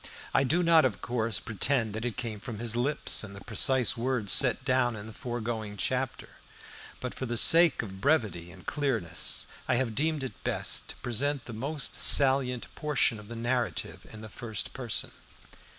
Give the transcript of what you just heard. I do not, of course, pretend that it came from his lips in the precise words set down in the foregoing chapter, but for the sake of brevity and clearness, I have deemed it best to present the most salient portion of the narrative in the first person.